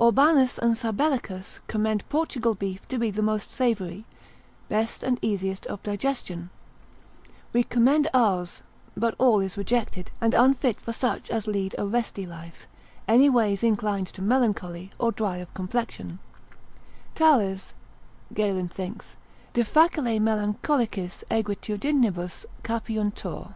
Aubanus and Sabellicus commend Portugal beef to be the most savoury, best and easiest of digestion; we commend ours: but all is rejected, and unfit for such as lead a resty life, any ways inclined to melancholy, or dry of complexion: Tales (Galen thinks) de facile melancholicis aegritudinibus capiuntur.